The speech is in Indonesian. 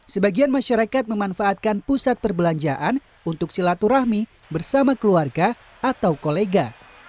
sebagian masyarakat memanfaatkan pusat perbelanjaan untuk silaturahmi bersama keluarga atau kolega